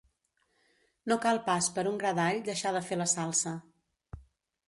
No cal pas per un gra d'all deixar de fer la salsa.